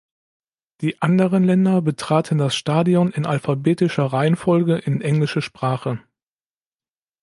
Die anderen Länder betraten das Stadion in alphabetischer Reihenfolge in Englische Sprache.